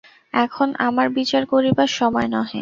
এখন আমার বিচার করিবার সময় নহে।